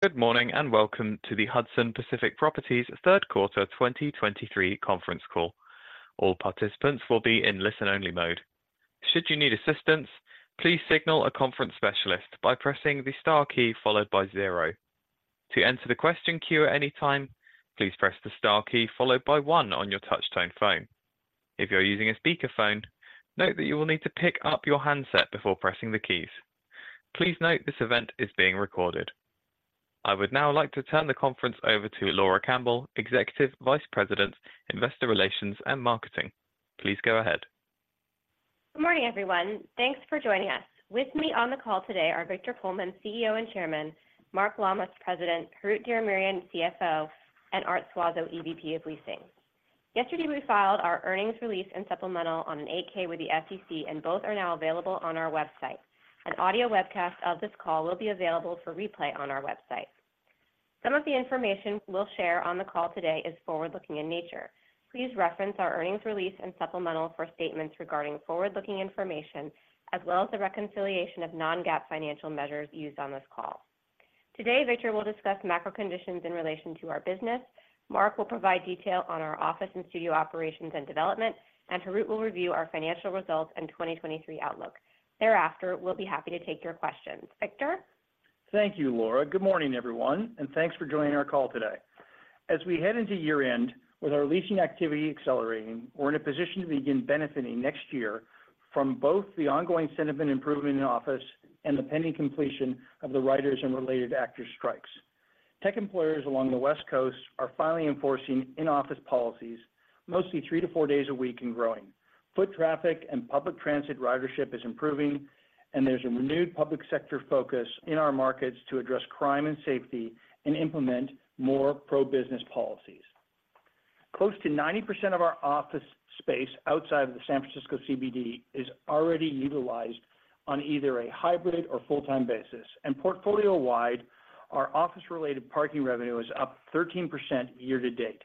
Good morning, and welcome to the Hudson Pacific Properties third quarter 2023 conference call. All participants will be in listen-only mode. Should you need assistance, please signal a conference specialist by pressing the star key followed by zero. To enter the question queue at any time, please press the star key followed by one on your touchtone phone. If you're using a speakerphone, note that you will need to pick up your handset before pressing the keys. Please note this event is being recorded. I would now like to turn the conference over to Laura Campbell, Executive Vice President, Investor Relations and Marketing. Please go ahead. Good morning, everyone. Thanks for joining us. With me on the call today are Victor Coleman, Chairman and Chief Executive Officer, Mark Lammas, President, Harout Diramerian, Chief Financial Officer, and Art Suazo, Executive Vice President of Leasing. Yesterday, we filed our earnings release and supplemental on an 8-K with the SEC, and both are now available on our website. An audio webcast of this call will be available for replay on our website. Some of the information we'll share on the call today is forward-looking in nature. Please reference our earnings release and supplemental for statements regarding forward-looking information, as well as the reconciliation of non-GAAP financial measures used on this call. Today, Victor will discuss macro conditions in relation to our business. Mark will provide detail on our office and studio operations and development, and Harout will review our financial results and 2023 outlook. Thereafter, we'll be happy to take your questions. Victor? Thank you, Laura. Good morning, everyone, and thanks for joining our call today. As we head into year-end with our leasing activity accelerating, we're in a position to begin benefiting next year from both the ongoing sentiment improvement in the office and the pending completion of the writers and related actors' strikes. Tech employers along the West Coast are finally enforcing in-office policies, mostly three to four days a week and growing. Foot traffic and public transit ridership is improving, and there's a renewed public sector focus in our markets to address crime and safety and implement more pro-business policies. Close to 90% of our office space outside of the San Francisco CBD is already utilized on either a hybrid or full-time basis. Portfolio-wide, our office-related parking revenue is up 13% year to date.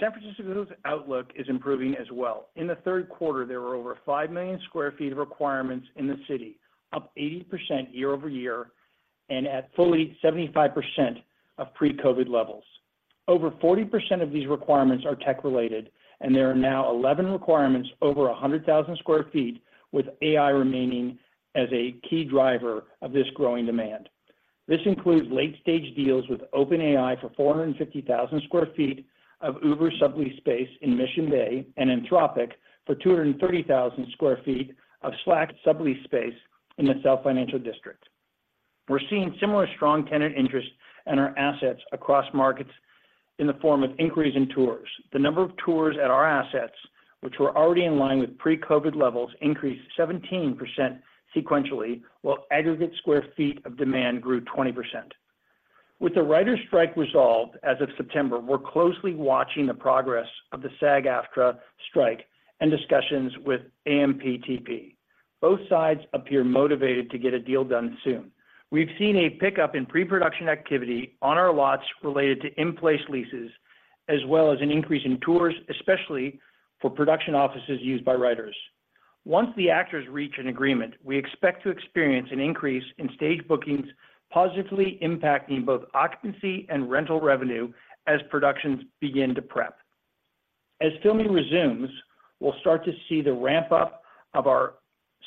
San Francisco's outlook is improving as well. In the third quarter, there were over 5 million sq ft of requirements in the city, up 80% year-over-year and at fully 75% of pre-COVID levels. Over 40% of these requirements are tech-related, and there are now 11 requirements over 100,000 sq ft, with AI remaining as a key driver of this growing demand. This includes late-stage deals with OpenAI for 450,000 sq ft of Uber sublease space in Mission Bay and Anthropic for 230,000 sq ft of Slack sublease space in the South Financial District. We're seeing similar strong tenant interest in our assets across markets in the form of inquiries and tours. The number of tours at our assets, which were already in line with pre-COVID levels, increased 17% sequentially, while aggregate square feet of demand grew 20%. With the writers' strike resolved as of September, we're closely watching the progress of the SAG-AFTRA strike and discussions with AMPTP. Both sides appear motivated to get a deal done soon. We've seen a pickup in pre-production activity on our lots related to in-place leases, as well as an increase in tours, especially for production offices used by writers. Once the actors reach an agreement, we expect to experience an increase in stage bookings, positively impacting both occupancy and rental revenue as productions begin to prep. As filming resumes, we'll start to see the ramp-up of our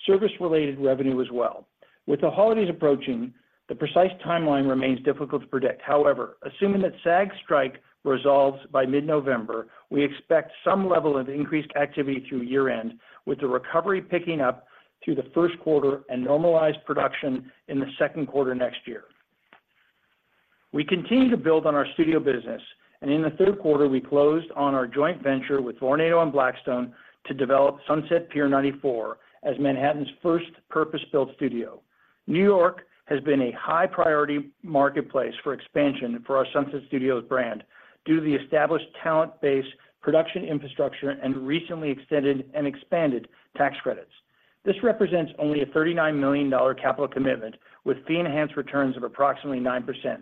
service-related revenue as well. With the holidays approaching, the precise timeline remains difficult to predict. However, assuming that SAG strike resolves by mid-November, we expect some level of increased activity through year-end, with the recovery picking up through the first quarter and normalized production in the second quarter next year. We continue to build on our studio business, and in the third quarter, we closed on our joint venture with Vornado and Blackstone to develop Sunset Pier 94 as Manhattan's first purpose-built studio. New York has been a high priority marketplace for expansion for our Sunset Studios brand due to the established talent base, production infrastructure, and recently extended and expanded tax credits. This represents only a $39 million capital commitment, with fee enhanced returns of approximately 9%.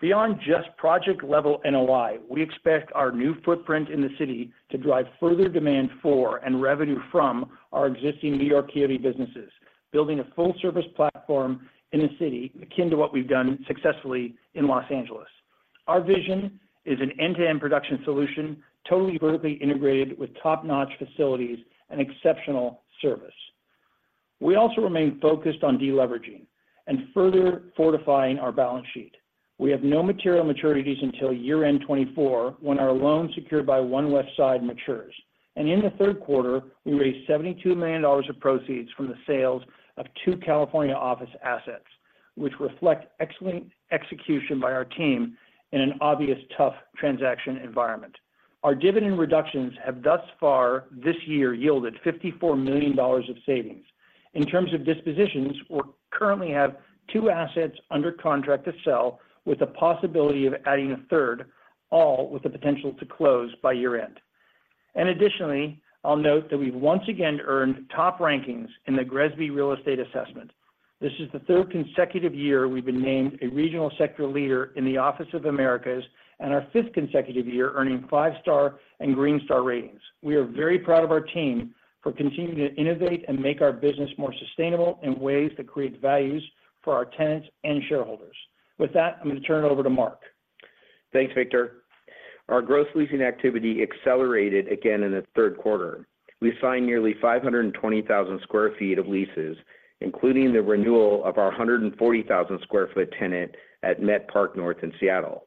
Beyond just project level NOI, we expect our new footprint in the city to drive further demand for and revenue from our existing New York City businesses, building a full service platform in the city, akin to what we've done successfully in Los Angeles. Our vision is an end-to-end production solution, totally vertically integrated with top-notch facilities and exceptional service. We also remain focused on deleveraging and further fortifying our balance sheet. We have no material maturities until year-end 2024, when our loan secured by One Westside matures. In the third quarter, we raised $72 million of proceeds from the sales of two California office assets, which reflect excellent execution by our team in an obviously tough transaction environment. Our dividend reductions have thus far this year yielded $54 million of savings. In terms of dispositions, we currently have two assets under contract to sell, with the possibility of adding a third, all with the potential to close by year-end. Additionally, I'll note that we've once again earned top rankings in the GRESB Real Estate Assessment. This is the third consecutive year we've been named a regional sector leader in the Office of Americas, and our fifth consecutive year earning five-star and Green Star ratings. We are very proud of our team for continuing to innovate and make our business more sustainable in ways that create values for our tenants and shareholders. With that, I'm going to turn it over to Mark. Thanks, Victor. Our gross leasing activity accelerated again in the third quarter. We signed nearly 520,000 sq ft of leases, including the renewal of our 140,000 sq ft tenant at Met Park North in Seattle.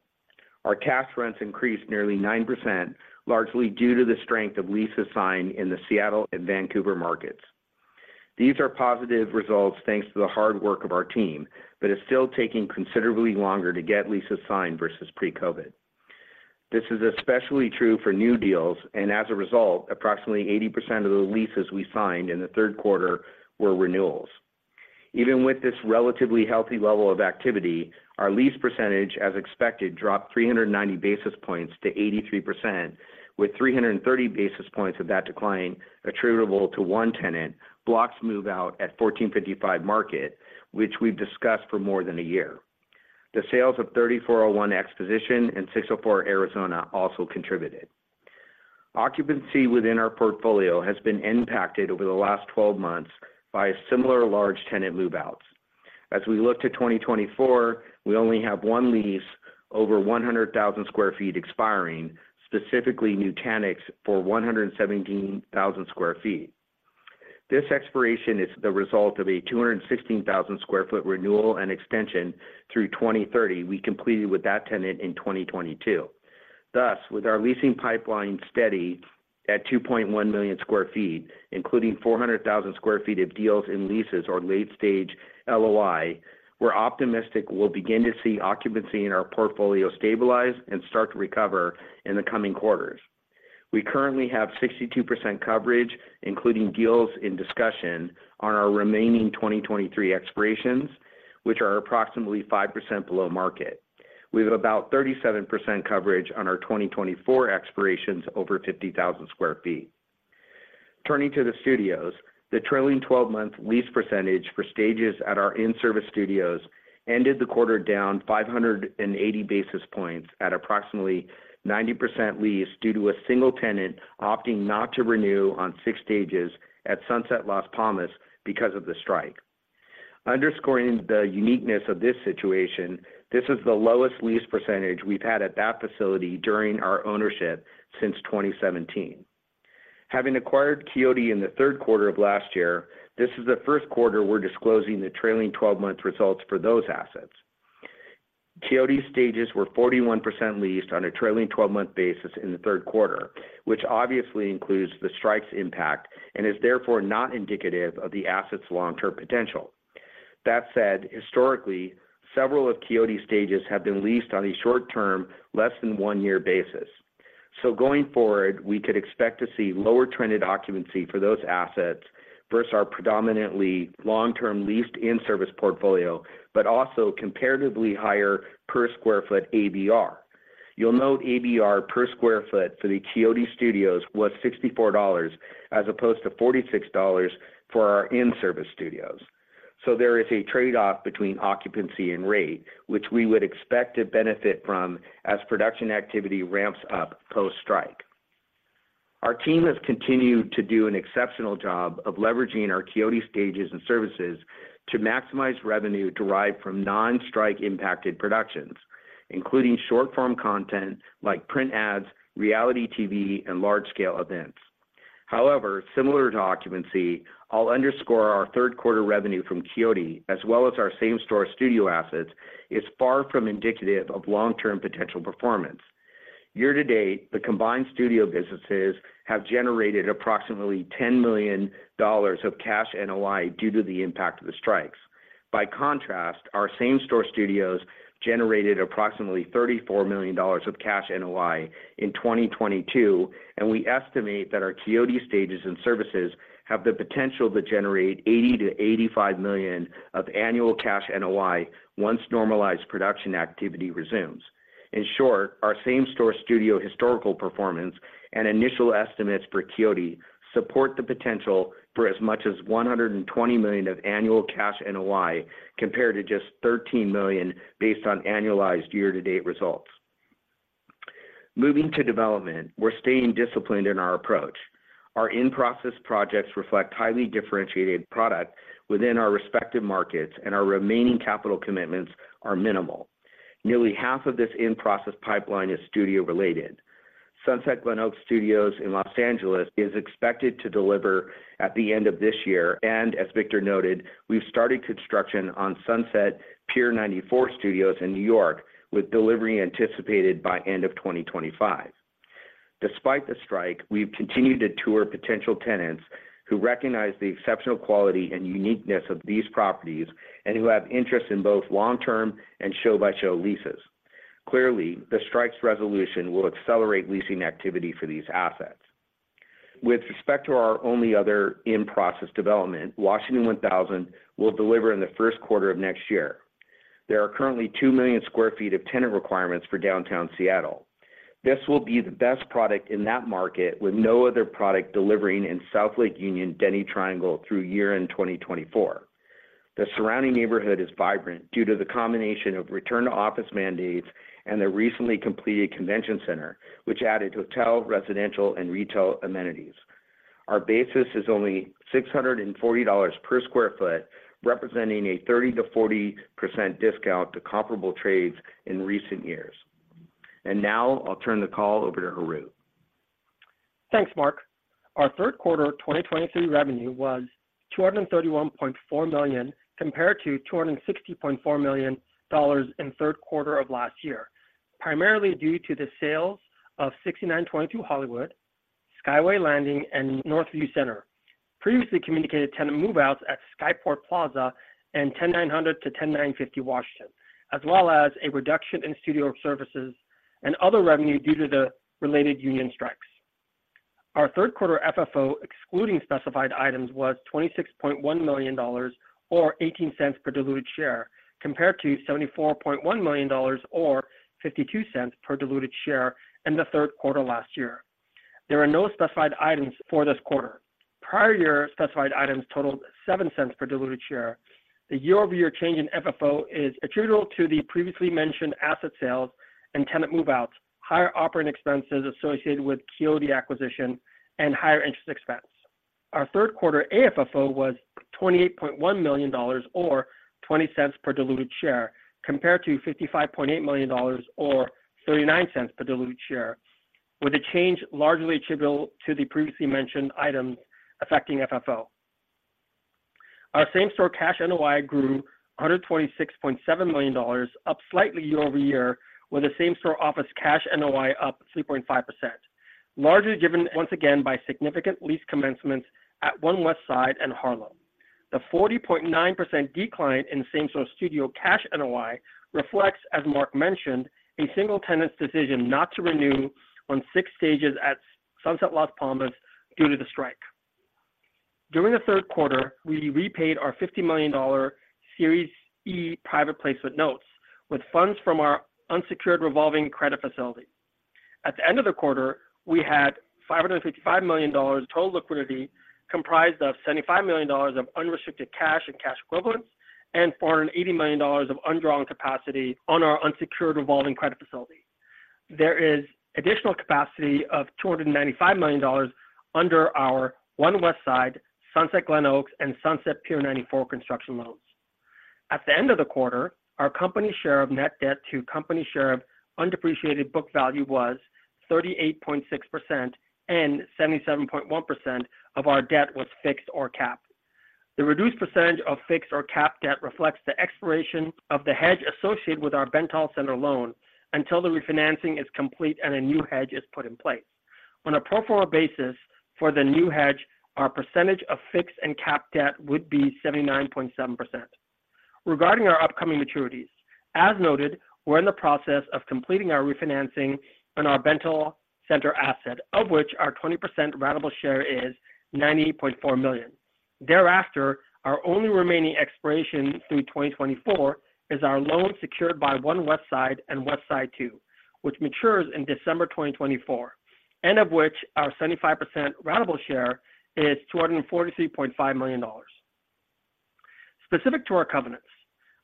Our cash rents increased nearly 9%, largely due to the strength of leases signed in the Seattle and Vancouver markets. These are positive results, thanks to the hard work of our team, but it's still taking considerably longer to get leases signed versus pre-COVID. This is especially true for new deals, and as a result, approximately 80% of the leases we signed in the third quarter were renewals. Even with this relatively healthy level of activity, our lease percentage, as expected, dropped 390 basis points to 83%, with 330 basis points of that decline attributable to one tenant, Block's move-out at 1455 Market, which we've discussed for more than a year. The sales of 3401 Exposition and 604 Arizona also contributed. Occupancy within our portfolio has been impacted over the last 12 months by similar large tenant move-outs. As we look to 2024, we only have one lease over 100,000 sq ft expiring, specifically Nutanix, for 117,000 sq ft. This expiration is the result of a 216,000 sq ft renewal and extension through 2030. We completed with that tenant in 2022. Thus, with our leasing pipeline steady at 2.1 million sq ft, including 400,000 sq ft of deals in leases or late stage LOI, we're optimistic we'll begin to see occupancy in our portfolio stabilize and start to recover in the coming quarters. We currently have 62% coverage, including deals in discussion on our remaining 2023 expirations, which are approximately 5% below market. We have about 37 coverage on our 2024 expirations over 50,000 sq ft. Turning to the studios, the trailing 12 month lease percentage for stages at our in-service studios ended the quarter down 580 basis points at approximately 90% leased due to a single tenant opting not to renew on six stages at Sunset Las Palmas because of the strike. Underscoring the uniqueness of this situation, this is the lowest lease percentage we've had at that facility during our ownership since 2017. Having acquired Quixote in the third quarter of last year, this is the first quarter we're disclosing the trailing 12-month results for those assets. Quixote stages were 41% leased on a trailing 12 month basis in the third quarter, which obviously includes the strike's impact and is therefore not indicative of the asset's long-term potential. That said, historically, several of Quixote stages have been leased on a short-term, less than one year basis. So going forward, we could expect to see lower trended occupancy for those assets versus our predominantly long-term leased in-service portfolio, but also comparatively higher per sq ft ABR. You'll note ABR per square foot for the Quixote Studios was $64, as opposed to $46 for our in-service studios. There is a trade-off between occupancy and rate, which we would expect to benefit from as production activity ramps up post-strike. Our team has continued to do an exceptional job of leveraging our Quixote stages and services to maximize revenue derived from non-strike impacted productions, including short-form content like print ads, reality TV, and large-scale events. However, similar to occupancy, I'll underscore our third quarter revenue from Quixote, as well as our same-store studio assets, is far from indicative of long-term potential performance. Year to date, the combined studio businesses have generated approximately $10 million of cash NOI due to the impact of the strikes. By contrast, our same-store studios generated approximately $34 million of cash NOI in 2022, and we estimate that our Quixote stages and services have the potential to generate $80 million-$85 million of annual cash NOI once normalized production activity resumes. In short, our same-store studio historical performance and initial estimates for Quixote support the potential for as much as $120 million of annual cash NOI, compared to just $13 million based on annualized year-to-date results. Moving to development, we're staying disciplined in our approach. Our in-process projects reflect highly differentiated product within our respective markets, and our remaining capital commitments are minimal. Nearly half of this in-process pipeline is studio-related. Sunset Glenoaks Studios in Los Angeles is expected to deliver at the end of this year, and as Victor noted, we've started construction on Sunset Pier 94 Studios in New York, with delivery anticipated by end of 2025. Despite the strike, we've continued to tour potential tenants who recognize the exceptional quality and uniqueness of these properties and who have interest in both long-term and show-by-show leases. Clearly, the strike's resolution will accelerate leasing activity for these assets. With respect to our only other in-process development, Washington 1000 will deliver in the first quarter of next year. There are currently 2 million sq ft of tenant requirements for downtown Seattle. This will be the best product in that market, with no other product delivering in South Lake Union, Denny Triangle through year-end in 2024. The surrounding neighborhood is vibrant due to the combination of return-to-office mandates and the recently completed convention center, which added hotel, residential, and retail amenities. Our basis is only $640 per sq ft, representing a 30%-40% discount to comparable trades in recent years. Now I'll turn the call over to Harout. Thanks, Mark. Our third quarter of 2023 revenue was $231.4 million, compared to $260.4 million in third quarter of last year, primarily due to the sales of 6922 Hollywood, Skyway Landing, and Northview Center. Previously communicated tenant move-outs at Skyport Plaza and 10900-10950 Washington, as well as a reduction in studio services and other revenue due to the related union strikes. Our third quarter FFO, excluding specified items, was $26.1 million or $0.18 per diluted share, compared to $74.1 million or $0.52 per diluted share in the third quarter last year. There are no specified items for this quarter. Prior year, specified items totaled $0.07 per diluted share. The year-over-year change in FFO is attributable to the previously mentioned asset sales and tenant move-outs, higher operating expenses associated with Quixote acquisition, and higher interest expense. Our third quarter AFFO was $28.1 million or $0.20 per diluted share, compared to $55.8 million or $0.39 per diluted share, with the change largely attributable to the previously mentioned items affecting FFO. Our same-store cash NOI grew $126.7 million, up slightly year-over-year, with the same-store office cash NOI up 3.5%. Largely driven once again by significant lease commencements at One Westside and Harlow. The 40.9% decline in same-store studio cash NOI reflects, as Mark mentioned, a single tenant's decision not to renew on six stages at Sunset Las Palmas due to the strike. During the third quarter, we repaid our $50 million Series E private placement notes with funds from our unsecured revolving credit facility. At the end of the quarter, we had $555 million in total liquidity, comprised of $75 million of unrestricted cash and cash equivalents and $480 million of undrawn capacity on our unsecured revolving credit facility. There is additional capacity of $295 million under our One Westside, Sunset Glenoaks, and Sunset Pier 94 construction loans. At the end of the quarter, our company share of net debt to company share of undepreciated book value was 38.6%, and 77.1% of our debt was fixed or capped. The reduced percentage of fixed or capped debt reflects the expiration of the hedge associated with our Bentall Centre loan until the refinancing is complete and a new hedge is put in place. On a pro forma basis for the new hedge, our percentage of fixed and capped debt would be 79.7%. Regarding our upcoming maturities, as noted, we're in the process of completing our refinancing on our Bentall Centre asset, of which our 20% ratable share is $90.4 million. Thereafter, our only remaining expiration through 2024 is our loan secured by One Westside and Westside Two, which matures in December 2024, and of which our 75% ratable share is $243.5 million. Specific to our covenants,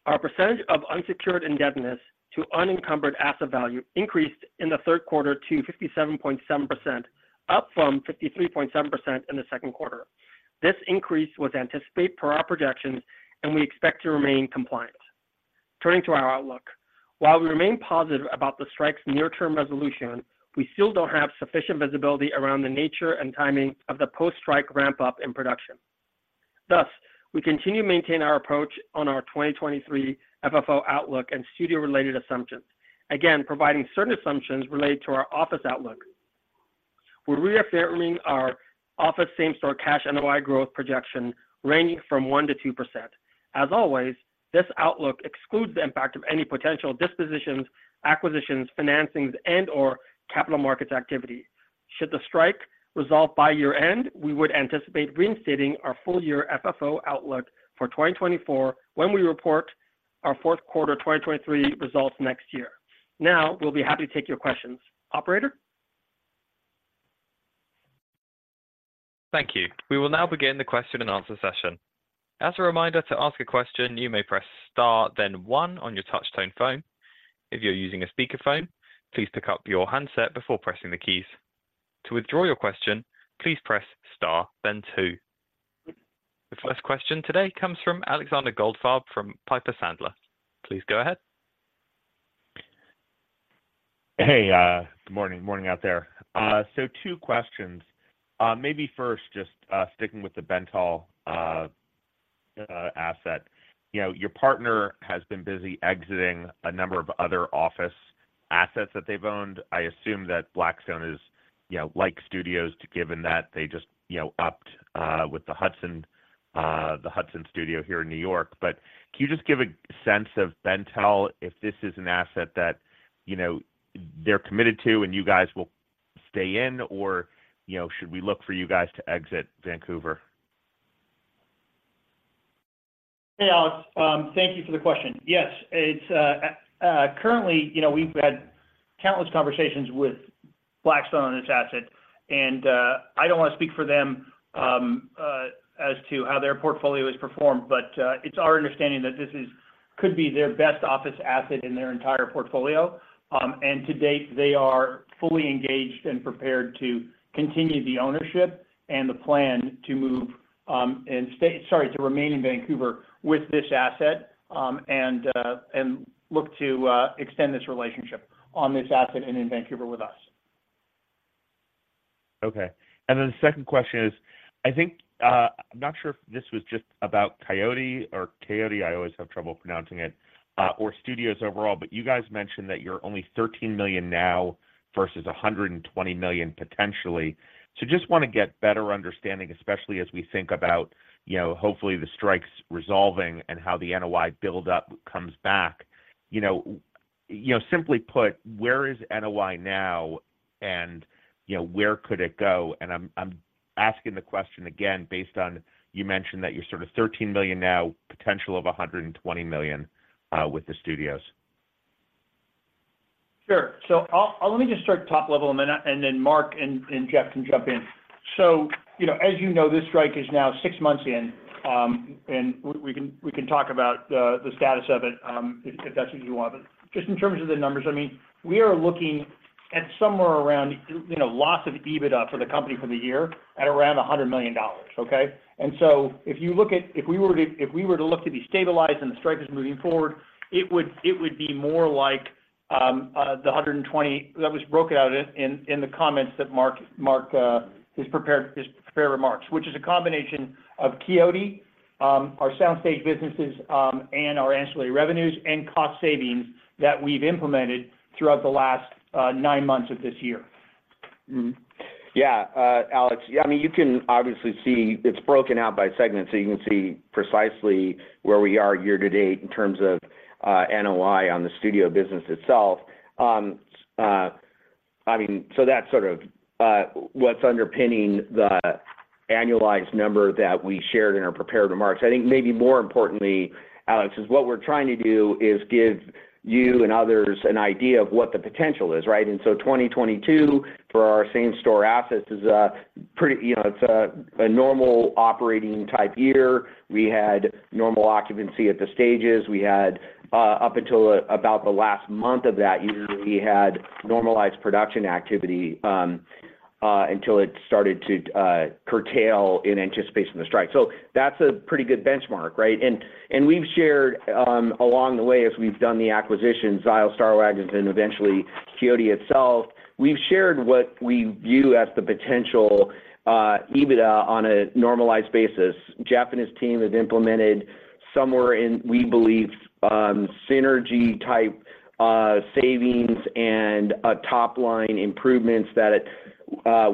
our percentage of unsecured indebtedness to unencumbered asset value increased in the third quarter to 57.7%, up from 53.7% in the second quarter. This increase was anticipated per our projections, and we expect to remain compliant. Turning to our outlook, while we remain positive about the strike's near-term resolution, we still don't have sufficient visibility around the nature and timing of the post-strike ramp-up in production. Thus, we continue to maintain our approach on our 2023 FFO outlook and studio-related assumptions. Again, providing certain assumptions related to our office outlook. We're reaffirming our office same-store cash NOI growth projection, ranging from 1%-2%. As always, this outlook excludes the impact of any potential dispositions, acquisitions, financings, and/or capital markets activity. Should the strike resolve by year-end, we would anticipate reinstating our full-year FFO outlook for 2024 when we report our fourth quarter 2023 results next year. Now, we'll be happy to take your questions. Operator? Thank you. We will now begin the question and answer session. As a reminder, to ask a question, you may press star, then one on your touch tone phone. If you're using a speakerphone, please pick up your handset before pressing the keys. To withdraw your question, please press star, then two. The first question today comes from Alexander Goldfarb, from Piper Sandler. Please go ahead. Hey, good morning. Morning out there. So two questions. Maybe first, just sticking with the Bentall asset. You know, your partner has been busy exiting a number of other office assets that they've owned. I assume that Blackstone is, you know, like studios too, given that they just, you know, upped with the Hudson, the Hudson Studio here in New York. But can you just give a sense of Bentall, if this is an asset that, you know, they're committed to and you guys will stay in, or, you know, should we look for you guys to exit Vancouver? Hey, Alex, thank you for the question. Yes, it's currently, you know, we've had countless conversations with Blackstone on this asset, and I don't want to speak for them. As to how their portfolio has performed, but it's our understanding that this could be their best office asset in their entire portfolio. And to date, they are fully engaged and prepared to continue the ownership and the plan to move and to remain in Vancouver with this asset, and look to extend this relationship on this asset and in Vancouver with us. Okay. And then the second question is, I think, I'm not sure if this was just about Quixote or Quixote, I always have trouble pronouncing it, or studios overall, but you guys mentioned that you're only $13 million now versus $120 million potentially. So just wanna get better understanding, especially as we think about, you know, hopefully the strikes resolving and how the NOI build up comes back. You know, you know, simply put, where is NOI now? And, you know, where could it go? And I'm, I'm asking the question again, based on, you mentioned that you're sort of $13 million now, potential of $120 million, with the studios. Sure. So I'll let me just start top level, and then Mark and Jeff can jump in. So, you know, as you know, this strike is now six months in, and we can talk about the status of it, if that's what you want. But just in terms of the numbers, I mean, we are looking at somewhere around, you know, loss of EBITDA for the company for the year at around $100 million, okay? So if we were to look to be stabilized and the strike is moving forward, it would be more like the 120 that was broken out in the comments that Mark's prepared remarks, which is a combination of Quixote, our soundstage businesses, and our ancillary revenues and cost savings that we've implemented throughout the last nine months of this year. Yeah, Alex, yeah, I mean, you can obviously see it's broken out by segment, so you can see precisely where we are year to date in terms of, NOI on the studio business itself. I mean, so that's sort of, what's underpinning the annualized number that we shared in our prepared remarks. I think maybe more importantly, Alex, is what we're trying to do is give you and others an idea of what the potential is, right? And so 2022, for our same-store assets, is a pretty—you know, it's a, a normal operating type year. We had normal occupancy at the stages. We had, up until about the last month of that year, we had normalized production activity, until it started to, curtail in anticipation of the strike. So that's a pretty good benchmark, right? And we've shared along the way, as we've done the acquisition, Zio, Star Waggons, and eventually Quixote itself, we've shared what we view as the potential EBITDA on a normalized basis. Jeff and his team have implemented somewhere in, we believe, synergy-type savings and a top-line improvements that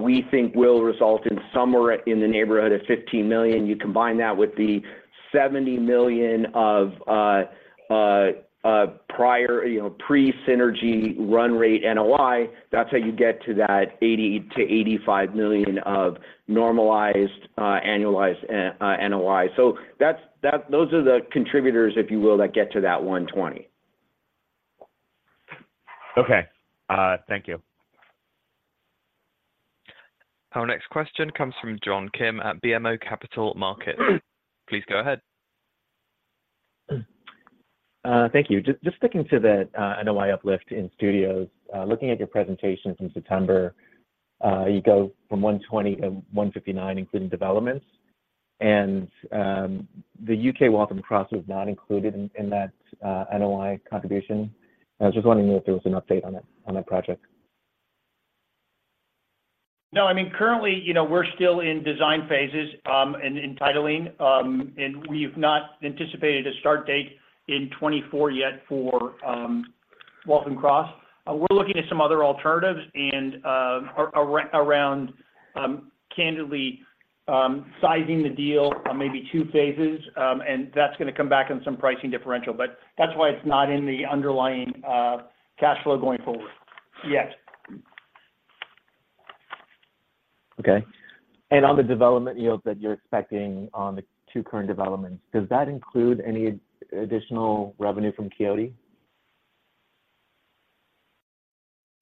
we think will result in somewhere in the neighborhood of $15 million. You combine that with the $70 million of a prior, you know, pre-synergy run rate NOI, that's how you get to that $80 million-$85 million of normalized annualized NOI. So that's those are the contributors, if you will, that get to that $120 million. Okay. Thank you. Our next question comes from John Kim at BMO Capital Markets. Please go ahead. Thank you. Just sticking to the NOI uplift in studios. Looking at your presentations in September, you go from 120 to 159, including developments, and the U.K. Waltham Cross was not included in that NOI contribution. I was just wondering if there was an update on it, on that project. No, I mean, currently, you know, we're still in design phases, and in titling, and we've not anticipated a start date in 2024 yet for Waltham Cross. We're looking at some other alternatives and, around, candidly, sizing the deal on maybe two phases, and that's gonna come back on some pricing differential, but that's why it's not in the underlying cash flow going forward yet. Okay. And on the development yields that you're expecting on the two current developments, does that include any additional revenue from Quixote?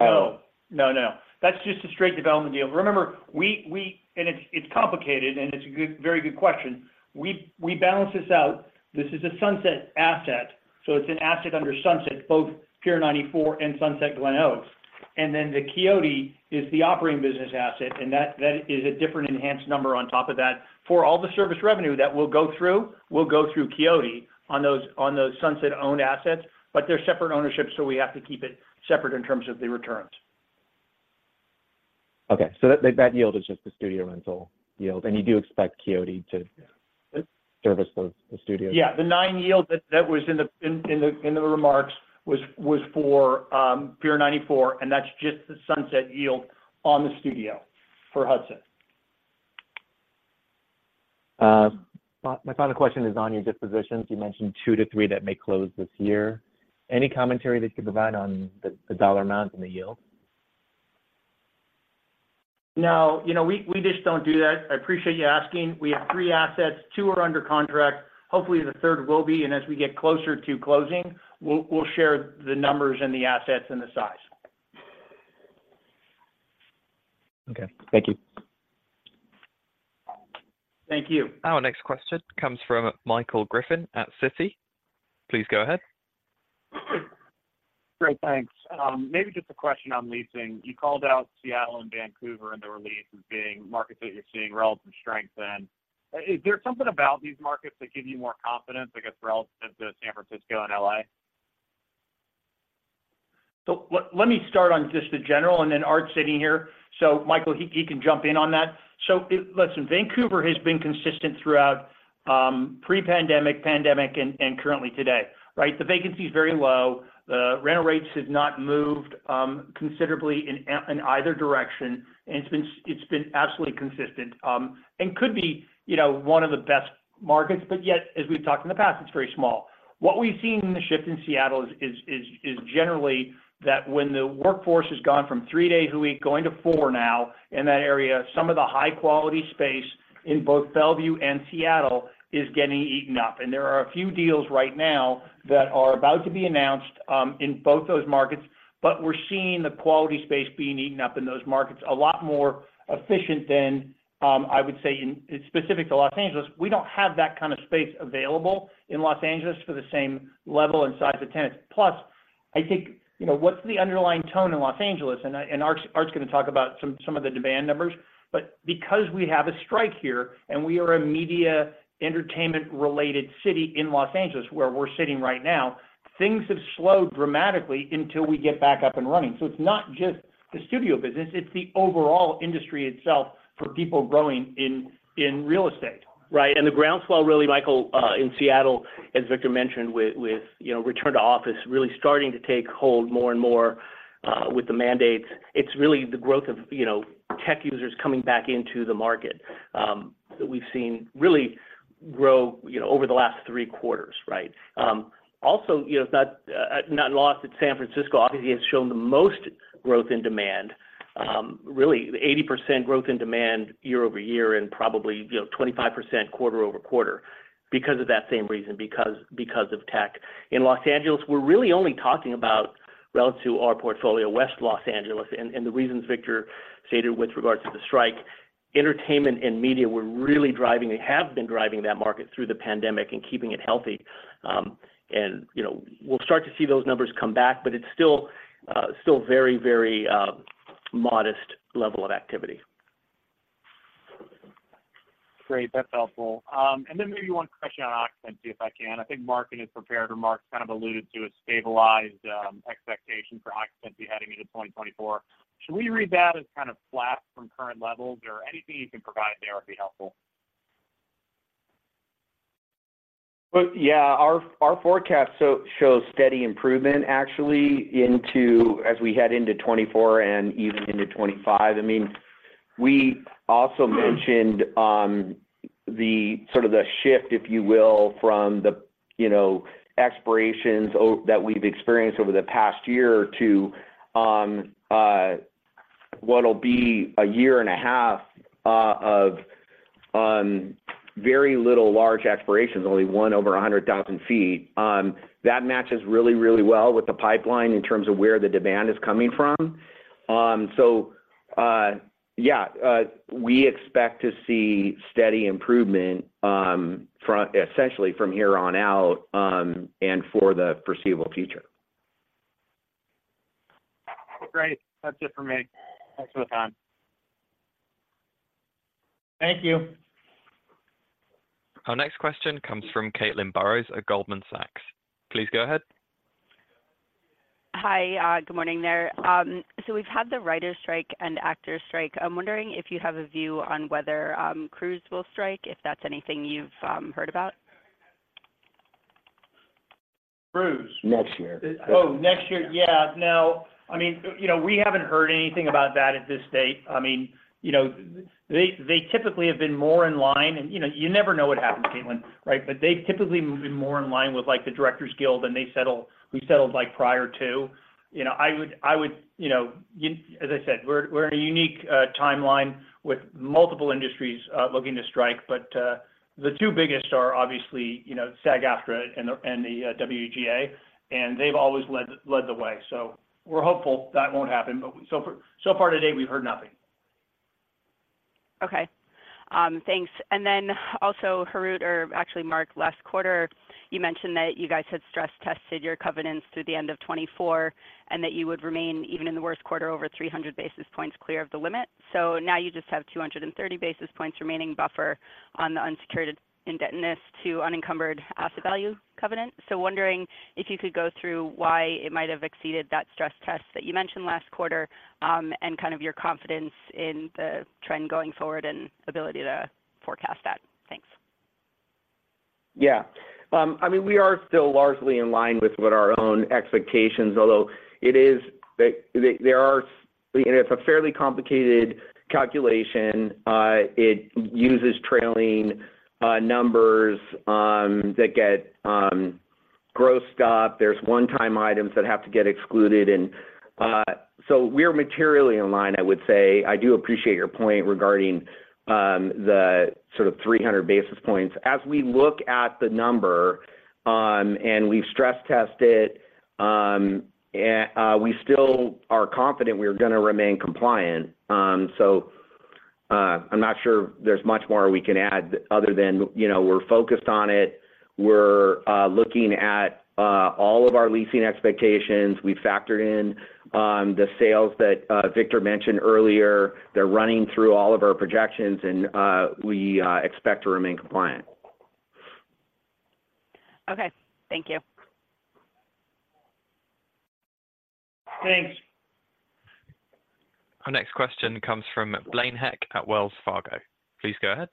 No. No, no. That's just a straight development deal. Remember, we – and it's complicated, and it's a good, very good question. We balance this out. This is a Sunset asset, so it's an asset under Sunset, both Pier 94 and Sunset Glenoaks. And then the Quixote is the operating business asset, and that is a different enhanced number on top of that. For all the service revenue that will go through Quixote on those Sunset-owned assets, but they're separate ownership, so we have to keep it separate in terms of the returns. Okay. So that, that yield is just the studio rental yield, and you do expect Quixote to. Yeah Service those, the studio? Yeah. The 9% yield that was in the remarks was for Pier 94, and that's just the Sunset yield on the studio for Hudson. My final question is on your dispositions. You mentioned 2-3 that may close this year. Any commentary that you could provide on the dollar amount and the yield? No, you know, we just don't do that. I appreciate you asking. We have three assets. Two are under contract. Hopefully, the third will be, and as we get closer to closing, we'll share the numbers and the assets and the size. Okay, thank you. Thank you. Our next question comes from Michael Griffin at Citi. Please go ahead. Great, thanks. Maybe just a question on leasing. You called out Seattle and Vancouver in the release as being markets that you're seeing relative strength in. Is there something about these markets that give you more confidence, I guess, relative to San Francisco and LA? So let me start on just the general, and then Art's sitting here, so Michael, he can jump in on that. So, listen, Vancouver has been consistent throughout pre-pandemic, pandemic, and currently today, right? The vacancy is very low. The rental rates have not moved considerably in either direction, and it's been absolutely consistent, and could be, you know, one of the best markets. But yet, as we've talked in the past, it's very small. What we've seen in the shift in Seattle is generally that when the workforce has gone from three days a week, going to four now in that area, some of the high-quality space in both Bellevue and Seattle is getting eaten up. And there are a few deals right now that are about to be announced in both those markets, but we're seeing the quality space being eaten up in those markets a lot more efficient than I would say in specific to Los Angeles. We don't have that kind of space available in Los Angeles for the same level and size of tenants. Plus, I think, you know, what's the underlying tone in Los Angeles? And I, and Art, Art's gonna talk about some, some of the demand numbers. But because we have a strike here, and we are a media, entertainment-related city in Los Angeles, where we're sitting right now, things have slowed dramatically until we get back up and running. So it's not just the studio business, it's the overall industry itself for people growing in, in real estate. Right. And the groundswell, really, Michael, in Seattle, as Victor mentioned, with, you know, return to office really starting to take hold more and more with the mandates. It's really the growth of, you know, tech users coming back into the market that we've seen really grow, you know, over the last three quarters, right? Also, you know, it's not lost that San Francisco obviously has shown the most growth in demand, really 80% growth in demand year-over-year, and probably, you know, 25% quarter-over-quarter because of that same reason. Because of tech. In Los Angeles, we're really only talking about relative to our portfolio, West Los Angeles, and the reasons Victor stated with regards to the strike. Entertainment and media were really driving, they have been driving that market through the pandemic and keeping it healthy. And, you know, we'll start to see those numbers come back, but it's still, still very, very, modest level of activity. Great. That's helpful. And then maybe one question on occupancy, if I can. I think Mark in his prepared remarks kind of alluded to a stabilized expectation for occupancy heading into 2024. Should we read that as kind of flat from current levels? Or anything you can provide there would be helpful. Well, yeah, our forecast shows steady improvement, actually, into as we head into 2024 and even into 2025. I mean, we also mentioned the sort of the shift, if you will, from the, you know, expirations that we've experienced over the past year to what'll be a year and a half of very little large expirations, only one over 100,000 sq f. That matches really, really well with the pipeline in terms of where the demand is coming from. So, yeah, we expect to see steady improvement from essentially from here on out and for the forheseeable future. Great. That's it for me. Thanks for the time. Thank you. Our next question comes from Caitlin Burrows at Goldman Sachs. Please go ahead. Hi, good morning there. So we've had the writers' strike and actors' strike. I'm wondering if you have a view on whether crews will strike, if that's anything you've heard about? Crews? Next year. Oh, next year. Yeah. No, I mean, you know, we haven't heard anything about that at this stage. I mean, you know, they typically have been more in line. And, you know, you never know what happens, Caitlin, right? But they've typically been more in line with, like, the Directors Guild, and they settle we settled, like, prior to. You know, I would, as I said, we're in a unique timeline with multiple industries looking to strike, but the two biggest are obviously, you know, SAG-AFTRA and the WGA, and they've always led the way. So we're hopeful that won't happen, but so far today, we've heard nothing. Okay. Thanks. And then also, Harout, or actually, Mark, last quarter, you mentioned that you guys had stress tested your covenants through the end of 2024, and that you would remain, even in the worst quarter, over 300 basis points clear of the limit. So now you just have 230 basis points remaining buffer on the unsecured indebtedness to unencumbered asset value covenant. So wondering if you could go through why it might have exceeded that stress test that you mentioned last quarter, and kind of your confidence in the trend going forward and ability to forecast that. Thanks. Yeah. I mean, we are still largely in line with what our own expectations, although it is—there are—and it's a fairly complicated calculation. It uses trailing numbers that get grossed up. There's one-time items that have to get excluded. And, so we're materially in line, I would say. I do appreciate your point regarding the sort of 300 basis points. As we look at the number, and we've stress tested a—we still are confident we're gonna remain compliant. So—I'm not sure there's much more we can add other than, you know, we're focused on it. We're looking at all of our leasing expectations. We've factored in the sales that Victor mentioned earlier. They're running through all of our projections, and we expect to remain compliant. Okay. Thank you. Thanks. Our next question comes from Blaine Heck at Wells Fargo. Please go ahead.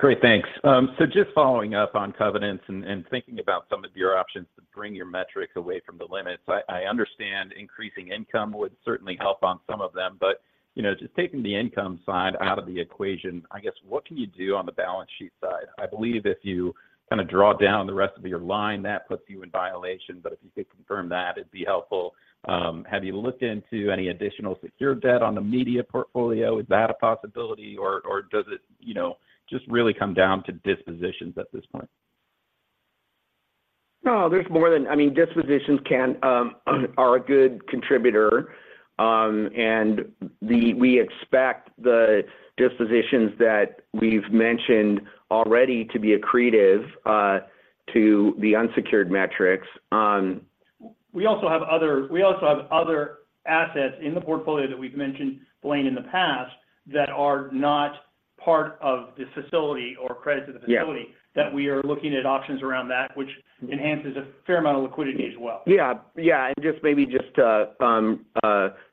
Great, thanks. So just following up on covenants and thinking about some of your options to bring your metrics away from the limits, I understand increasing income would certainly help on some of them, but, you know, just taking the income side out of the equation, I guess, what can you do on the balance sheet side? I believe if you kind of draw down the rest of your line, that puts you in violation, but if you could confirm that, it'd be helpful. Have you looked into any additional secured debt on the media portfolio? Is that a possibility, or does it, you know, just really come down to dispositions at this point? No, there's more than-- I mean, dispositions are a good contributor. And we expect the dispositions that we've mentioned already to be accretive to the unsecured metrics. We also have other assets in the portfolio that we've mentioned, Blaine, in the past, that are not part of this facility or credit to the facility. Yeah. That we are looking at options around that, which enhances a fair amount of liquidity as well. Yeah. Yeah, and just maybe to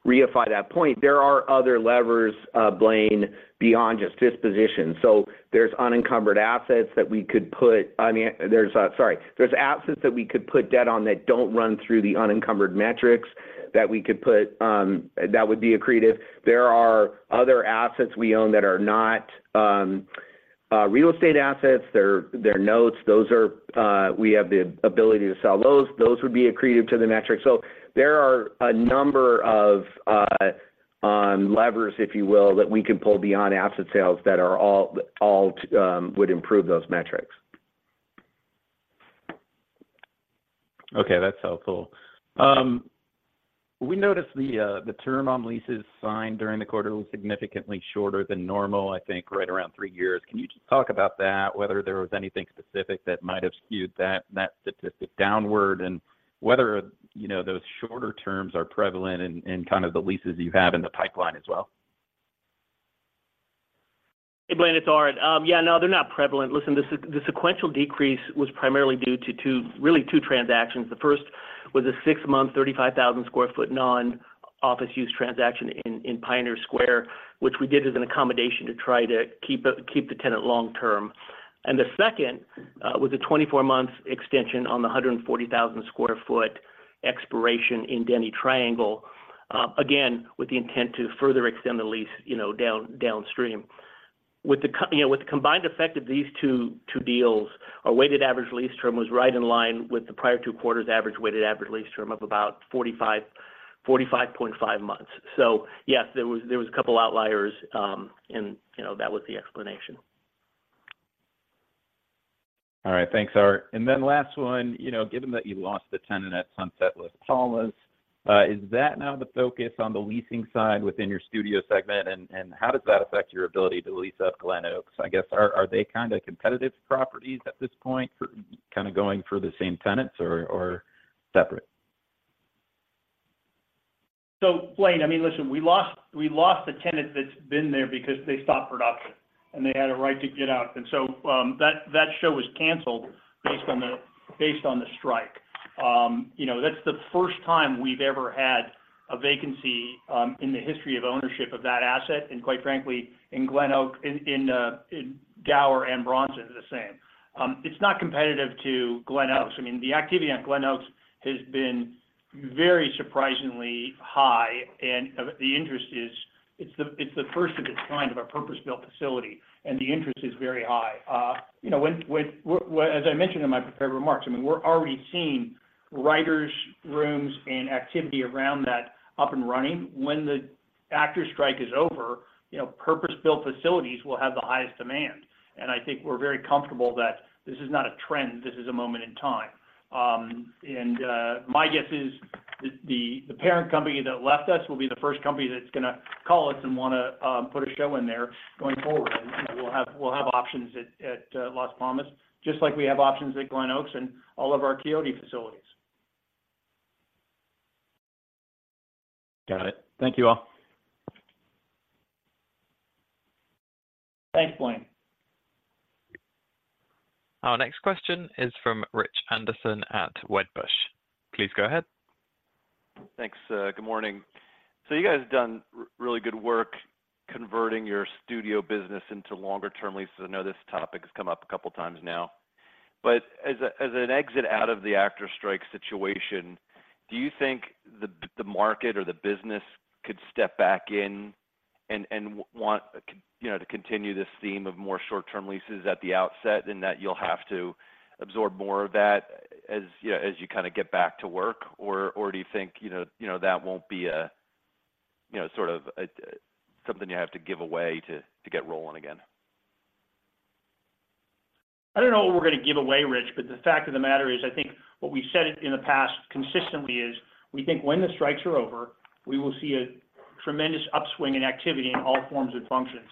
reify that point, there are other levers, Blaine, beyond just disposition. So there's unencumbered assets that we could put—I mean, there's assets that we could put debt on that don't run through the unencumbered metrics, that we could put that would be accretive. There are other assets we own that are not real estate assets. They're notes. Those are we have the ability to sell those. Those would be accretive to the metrics. So there are a number of levers, if you will, that we can pull beyond asset sales that are all would improve those metrics. Okay, that's helpful. We noticed the, the term on leases signed during the quarter was significantly shorter than normal, I think, right around three years. Can you just talk about that, whether there was anything specific that might have skewed that, that statistic downward? And whether, you know, those shorter terms are prevalent in, in kind of the leases you have in the pipeline as well? Hey, Blaine, it's Art. Yeah, no, they're not prevalent. Listen, the sequential decrease was primarily due to two, really two transactions. The first was a six month, 35,000 sq ft, non-office use transaction in Pioneer Square, which we did as an accommodation to try to keep the tenant long-term. And the second was a 24-month extension on the 140,000 sq ft expiration in Denny Triangle, again, with the intent to further extend the lease, you know, downstream. With the combined effect of these two deals, our weighted average lease term was right in line with the prior two quarters' average weighted average lease term of about 45, 45.5 months. So yes, there was a couple of outliers, and, you know, that was the explanation. All right. Thanks, Art. And then last one, you know, given that you lost the tenant at Sunset Las Palmas, is that now the focus on the leasing side within your studio segment, and how does that affect your ability to lease up Glenoaks? I guess, are they kind of competitive properties at this point for kind of going for the same tenants or separate? So, Blaine, I mean, listen, we lost, we lost a tenant that's been there because they stopped production, and they had a right to get out. And so, that, that show was canceled based on the, based on the strike. You know, that's the first time we've ever had a vacancy, in the history of ownership of that asset, and quite frankly, in Glen Oaks, in Gower and Bronson is the same. It's not competitive to Glen Oaks. I mean, the activity on Glen Oaks has been very surprisingly high, and the interest is. It's the first of its kind of a purpose-built facility, and the interest is very high. You know, as I mentioned in my prepared remarks, I mean, we're already seeing writers' rooms and activity around that up and running. When the actors strike is over, you know, purpose-built facilities will have the highest demand. I think we're very comfortable that this is not a trend, this is a moment in time. My guess is the parent company that left us will be the first company that's gonna call us and wanna put a show in there going forward. We'll have options at Las Palmas, just like we have options at Glen Oaks and all of our Quixote facilities. Got it. Thank you, all. Thanks, Blaine. Our next question is from Rich Anderson at Wedbush. Please go ahead. Thanks. Good morning. So you guys have done really good work converting your studio business into longer-term leases. I know this topic has come up a couple of times now. But as an exit out of the actors' strike situation, do you think the market or the business could step back in and want to continue this theme of more short-term leases at the outset, and that you'll have to absorb more of that as you know, as you kind of get back to work? Or do you think that won't be something you have to give away to get rolling again? I don't know what we're gonna give away, Rich, but the fact of the matter is, I think what we've said it in the past consistently is, we think when the strikes are over, we will see a tremendous upswing in activity in all forms and functions.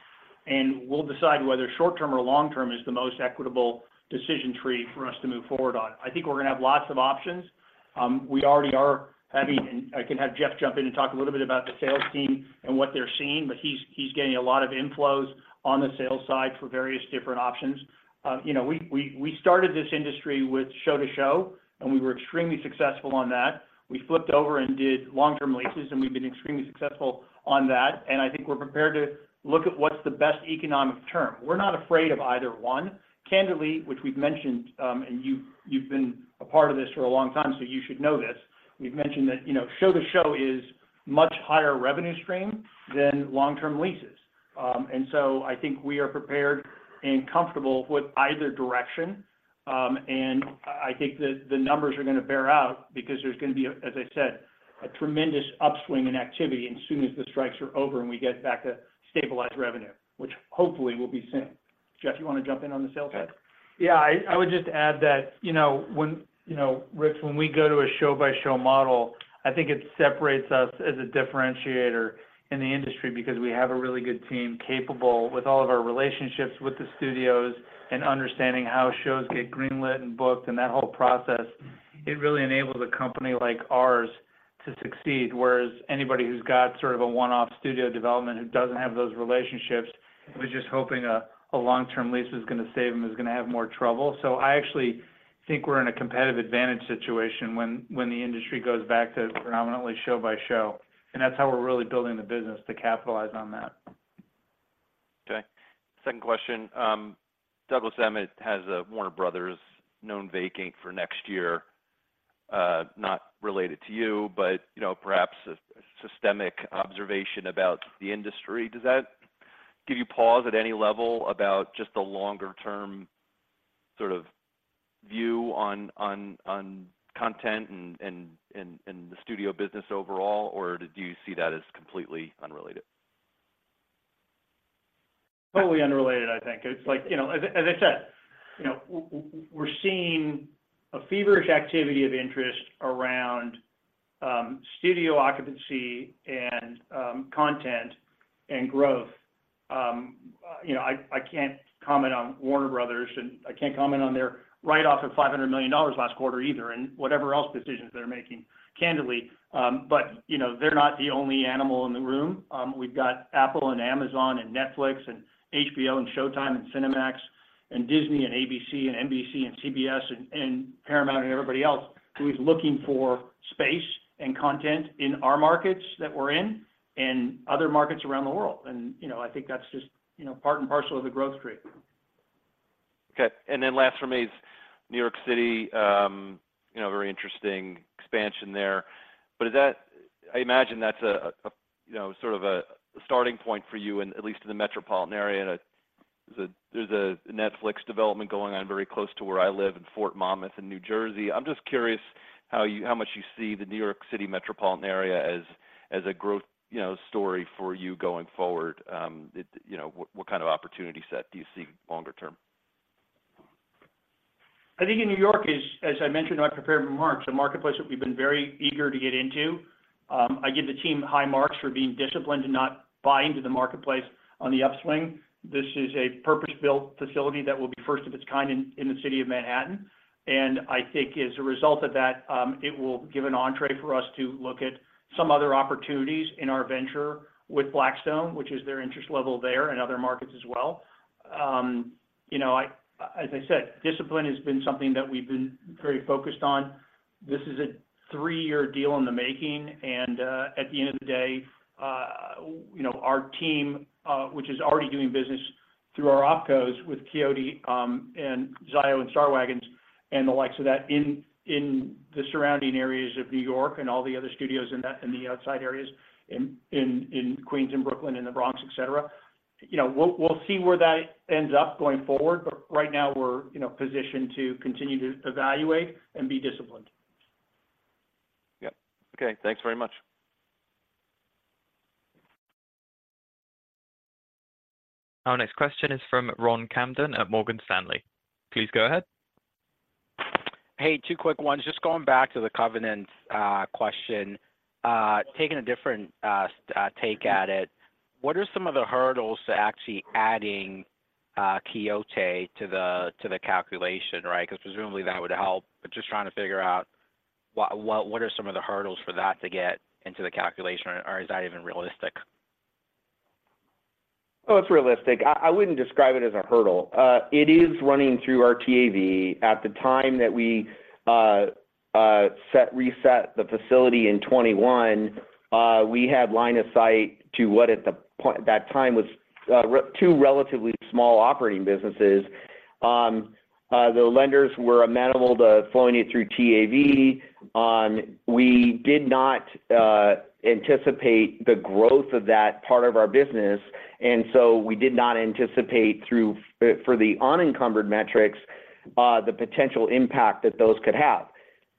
And we'll decide whether short-term or long-term is the most equitable decision tree for us to move forward on. I think we're gonna have lots of options. We already are having and I can have Jeff jump in and talk a little bit about the sales team and what they're seeing, but he's getting a lot of inflows on the sales side for various different options. You know, we started this industry with show to show, and we were extremely successful on that. We flipped over and did long-term leases, and we've been extremely successful on that, and I think we're prepared to look at what's the best economic term. We're not afraid of either one. Candidly, which we've mentioned, and you've, you've been a part of this for a long time, so you should know this. We've mentioned that, you know, show to show is much higher revenue stream than long-term leases. And so I think we are prepared and comfortable with either direction. And I think that the numbers are gonna bear out because there's gonna be, as I said, a tremendous upswing in activity as soon as the strikes are over and we get back to stabilized revenue, which hopefully will be soon. Jeff, you wanna jump in on the sales side? Yeah. I would just add that, you know, when we go to a show-by-show model, I think it separates us as a differentiator in the industry because we have a really good team capable, with all of our relationships with the studios and understanding how shows get greenlit and booked and that whole process, it really enables a company like ours to succeed, whereas anybody who's got sort of a one-off studio development who doesn't have those relationships, who is just hoping a long-term lease is gonna save them, is gonna have more trouble. So I actually think we're in a competitive advantage situation when the industry goes back to predominantly show by show, and that's how we're really building the business to capitalize on that. Okay. Second question. Douglas Emmett has a Warner Brothers now vacant for next year, not related to you, but, you know, perhaps a systemic observation about the industry. Does that give you pause at any level about just the longer-term sort of view on content and the studio business overall, or do you see that as completely unrelated? Totally unrelated, I think. It's like, you know, as I, as I said, you know, we're seeing a feverish activity of interest around, studio occupancy and, content and growth. You know, I, I can't comment on Warner Brothers, and I can't comment on their write-off of $500 million last quarter either, and whatever else decisions they're making, candidly. But, you know, they're not the only animal in the room. We've got Apple and Amazon and Netflix and HBO and Showtime and Cinemax and Disney and ABC and NBC and CBS and, and Paramount and everybody else, who is looking for space and content in our markets that we're in and other markets around the world. And, you know, I think that's just, you know, part and parcel of the growth rate. Okay. And then last for me is New York City, you know, very interesting expansion there. But is that, I imagine that's a, you know, sort of a starting point for you, and at least in the metropolitan area. There's a Netflix development going on very close to where I live in Fort Monmouth in New Jersey. I'm just curious how you, how much you see the New York City metropolitan area as, as a growth, you know, story for you going forward. You know, what kind of opportunity set do you see longer-term? I think in New York is, as I mentioned in my prepared remarks, a marketplace that we've been very eager to get into. I give the team high marks for being disciplined and not buying to the marketplace on the upswing. This is a purpose-built facility that will be first of its kind in the city of Manhattan, and I think as a result of that, it will give an entree for us to look at some other opportunities in our venture with Blackstone, which is their interest level there and other markets as well. You know, as I said, discipline has been something that we've been very focused on. This is a three-year deal in the making, and, at the end of the day, you know, our team, which is already doing business through our OpCos with Quixote, and Zio and Star Waggons and the likes of that in the surrounding areas of New York and all the other studios in that in the outside areas, in Queens and Brooklyn, in the Bronx, et cetera. You know, we'll see where that ends up going forward, but right now we're, you know, positioned to continue to evaluate and be disciplined. Yep. Okay, thanks very much. Our next question is from Ron Kamdem at Morgan Stanley. Please go ahead. Hey, two quick ones. Just going back to the covenant question, taking a different take at it, what are some of the hurdles to actually adding Quixote to the calculation, right? Because presumably that would help, but just trying to figure out what are some of the hurdles for that to get into the calculation, or is that even realistic? Oh, it's realistic. I wouldn't describe it as a hurdle. It is running through our TAV. At the time that we reset the facility in 2021, we had line of sight to what at that time was two relatively small operating businesses. The lenders were amenable to flowing it through TAV. We did not anticipate the growth of that part of our business, and so we did not anticipate through for the unencumbered metrics the potential impact that those could have.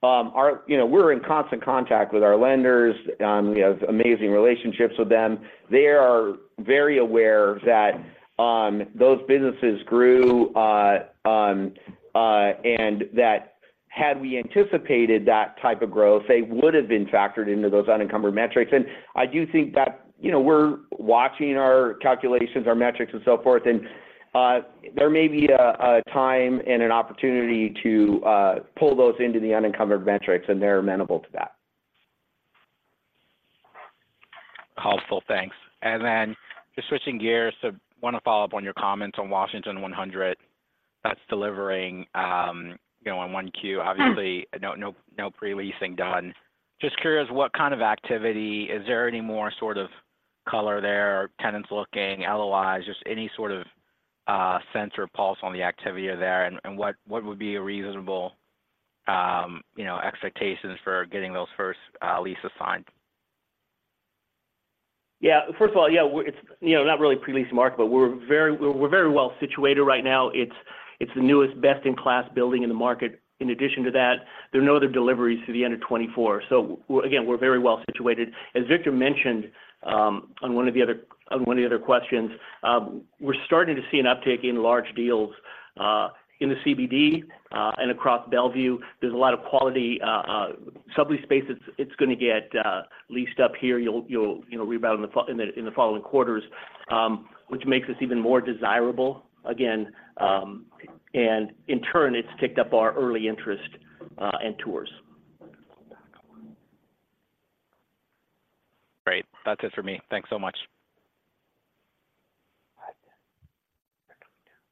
Our, you know, we're in constant contact with our lenders. We have amazing relationships with them. They are very aware that those businesses grew, and that had we anticipated that type of growth, they would have been factored into those unencumbered metrics. And I do think that, you know, we're watching our calculations, our metrics, and so forth, and there may be a time and an opportunity to pull those into the unencumbered metrics, and they're amenable to that. Helpful. Thanks. Then just switching gears, so wanna follow-up on your comments on Washington 1000. That's delivering, you know, in Q1, obviously. Mm. No, no, no pre-leasing done. Just curious, what kind of activity? Is there any more sort of color there, or tenants looking, LOIs, just any sort of sense or pulse on the activity there, and what would be a reasonable, you know, expectations for getting those first leases signed? Yeah. First of all, yeah, we're, it's, you know, not really a pre-lease market, but we're very well situated right now. It's the newest best-in-class building in the market. In addition to that, there are no other deliveries through the end of 2024. So again, we're very well situated. As Victor mentioned, on one of the other questions, we're starting to see an uptick in large deals in the CBD and across Bellevue. There's a lot of quality sublease space. It's gonna get leased up here. You'll, you know, read about it in the following quarters, which makes us even more desirable again, and in turn, it's ticked up our early interest and tours. Great. That's it for me. Thanks so much.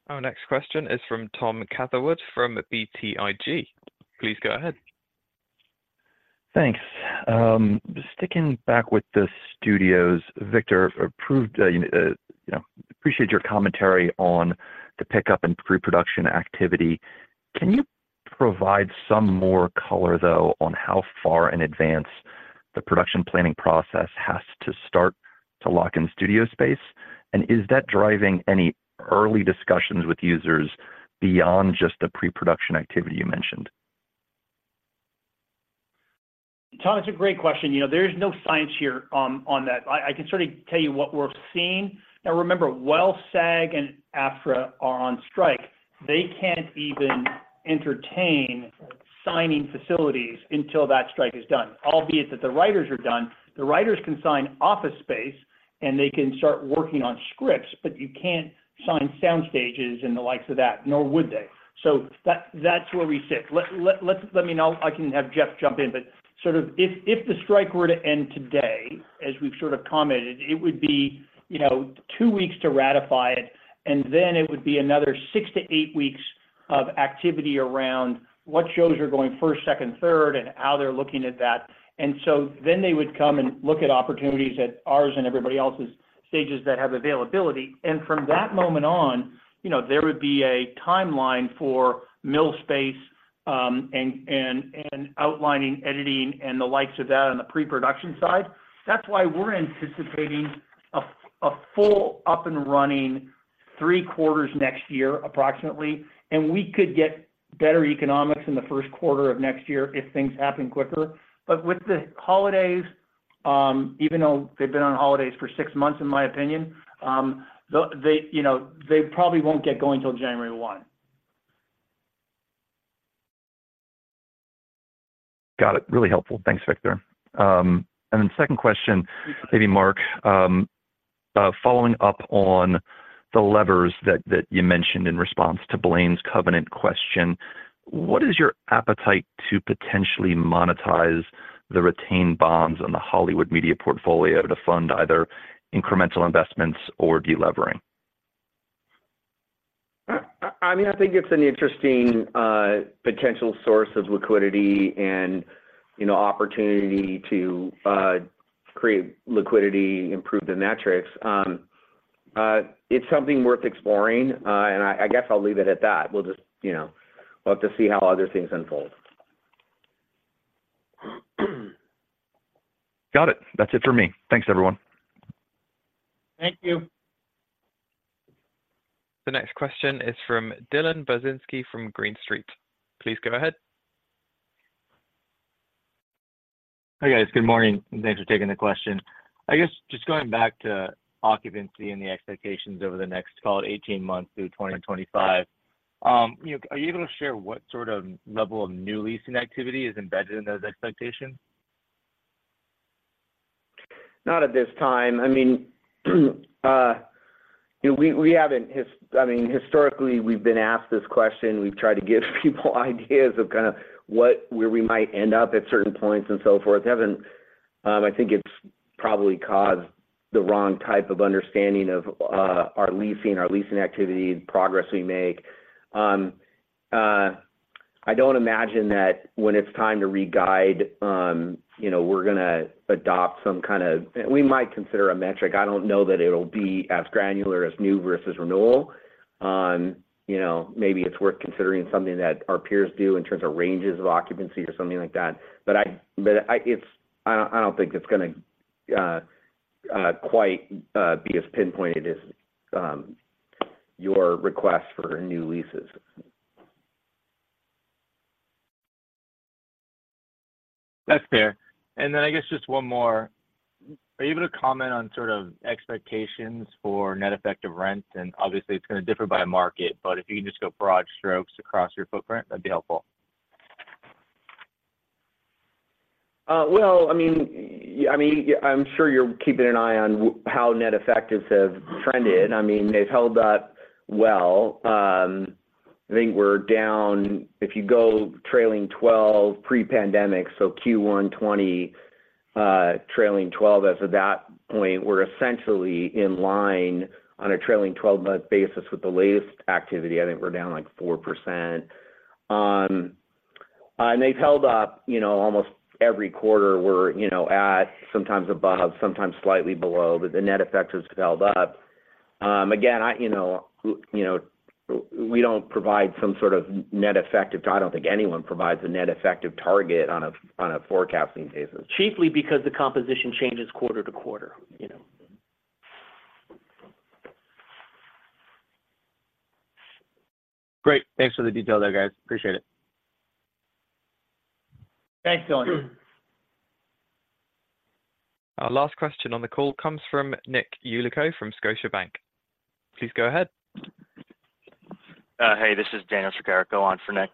Our next question is from Tom Catherwood, from BTIG. Please go ahead. Thanks. Just sticking back with the studios, Victor, you know, appreciate your commentary on the pickup in pre-production activity. Can you provide some more color, though, on how far in advance the production planning process has to start to lock in studio space? And is that driving any early discussions with users beyond just the pre-production activity you mentioned? Tom, that's a great question. You know, there's no science here, on that. I can sort of tell you what we're seeing. Now, remember, while SAG and AFTRA are on strike, they can't even entertain signing facilities until that strike is done. Albeit, that the writers are done, the writers can sign office space, and they can start working on scripts, but you can't sign sound stages and the likes of that, nor would they. So that's where we sit. Let me know. I can have Jeff jump in, but sort of if the strike were to end today, as we've sort of commented, it would be, you know, 2 weeks to ratify it, and then it would be another 6-8 weeks of activity around what shows are going first, second, third, and how they're looking at that. So then they would come and look at opportunities at ours and everybody else's stages that have availability. From that moment on, you know, there would be a timeline for mill space, and outlining, editing, and the likes of that on the pre-production side. That's why we're anticipating a full up-and-running three quarters next year, approximately. We could get better economics in the first quarter of next year if things happen quicker. But with the holidays, even though they've been on holidays for six months, in my opinion, they, you know, they probably won't get going till January 1. Got it. Really helpful. Thanks, Victor. And then second question, maybe Mark, following up on the levers that you mentioned in response to Blaine's covenant question, what is your appetite to potentially monetize the retained bonds on the Hollywood Media Portfolio to fund either incremental investments or delevering? I mean, I think it's an interesting potential source of liquidity and, you know, opportunity to create liquidity, improve the metrics. It's something worth exploring, and I guess I'll leave it at that. We'll just, you know. We'll have to see how other things unfold. Got it. That's it for me. Thanks, everyone. Thank you. The next question is from Dylan Burzinski from Green Street. Please go ahead. Hi, guys. Good morning. Thanks for taking the question. I guess, just going back to occupancy and the expectations over the next, call it, 18 months through 2025, you know, are you able to share what sort of level of new leasing activity is embedded in those expectations? Not at this time. I mean, historically, we've been asked this question. We've tried to give people ideas of kinda where we might end up at certain points and so forth. We haven't. I think it's probably caused the wrong type of understanding of our leasing activity, and progress we make. I don't imagine that when it's time to re-guide, you know, we're gonna adopt some kind of. We might consider a metric. I don't know that it'll be as granular as new versus renewal. You know, maybe it's worth considering something that our peers do in terms of ranges of occupancy or something like that. But I don't think it's gonna quite be as pinpointed as your request for new leases. That's fair. And then I guess just one more. Are you able to comment on sort of expectations for net effective rent? And obviously, it's gonna differ by market, but if you can just go broad strokes across your footprint, that'd be helpful. Well, I mean, I mean, I'm sure you're keeping an eye on how net effectives have trended. I mean, they've held up well. I think we're down, if you go trailing 12 pre-pandemic, so Q1 2020, trailing 12, as of that point, we're essentially in line on a trailing 12-month basis with the latest activity. I think we're down, like, 4%. And they've held up, you know, almost every quarter we're, you know, at, sometimes above, sometimes slightly below, but the net effect has held up. Again, I, you know, you know, we don't provide some sort of net effective. I don't think anyone provides a net effective target on a, on a forecasting basis. Chiefly because the composition changes quarter to quarter, you know? Great. Thanks for the detail there, guys. Appreciate it. Thanks, Dylan. Our last question on the call comes from Nick Yulico from Scotiabank. Please go ahead. Hey, this is Daniel Tricarico on for Nick.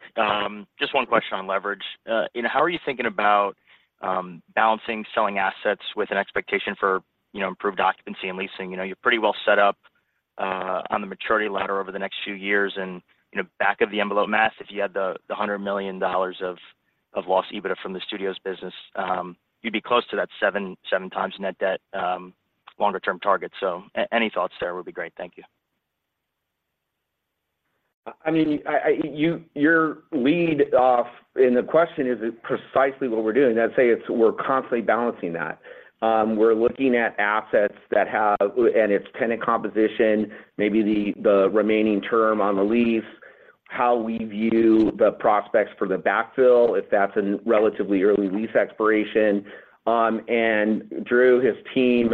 Just one question on leverage. You know, how are you thinking about balancing selling assets with an expectation for, you know, improved occupancy and leasing? You know, you're pretty well set up on the maturity ladder over the next few years, and, you know, back of the envelope math, if you had the $100 million of lost EBITDA from the studios business, you'd be close to that 7.7x net debt longer-term target. So any thoughts there would be great. Thank you. I mean, your lead off in the question is precisely what we're doing. I'd say it's we're constantly balancing that. We're looking at assets that have, and its tenant composition, maybe the remaining term on the lease, how we view the prospects for the backfill, if that's a relatively early lease expiration. And Drew, his team,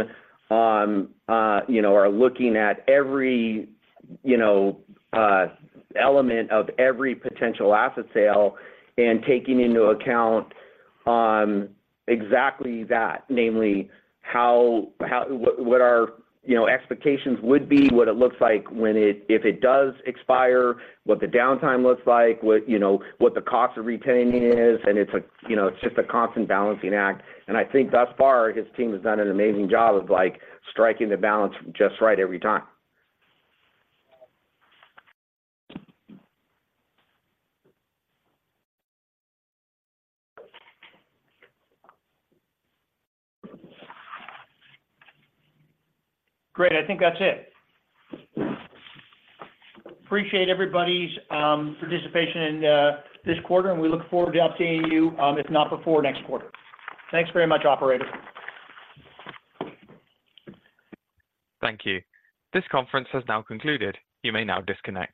you know, are looking at every, you know, element of every potential asset sale and taking into account, exactly that, namely, how what our, you know, expectations would be, what it looks like when it if it does expire, what the downtime looks like, what, you know, what the cost of retaining is, and it's a, you know, it's just a constant balancing act. I think thus far, his team has done an amazing job of, like, striking the balance just right every time. Great. I think that's it. Appreciate everybody's participation in this quarter, and we look forward to updating you, if not before next quarter. Thanks very much, operator. Thank you. This conference has now concluded. You may now disconnect.